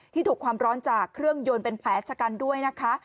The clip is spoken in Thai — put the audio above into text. ถูกความร้อนจากเครื่องยนต์เป็นแผลชะกันด้วยนะคะ